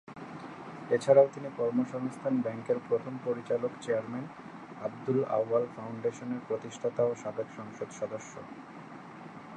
এছাড়াও তিনি কর্মসংস্থান ব্যাংকের প্রথম পরিচালক চেয়ারম্যান, আবদুল আউয়াল ফাউন্ডেশনের প্রতিষ্ঠাতা ও সাবেক সংসদ সদস্য।